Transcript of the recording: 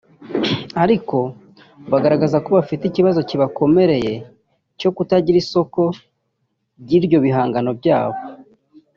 ariko bagaragaza ko bafite ikibazo kibakometeye cyo kutagira isoko ry’ibyo bihangano byabo